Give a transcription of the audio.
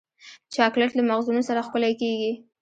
چاکلېټ له مغزونو سره ښکلی کېږي.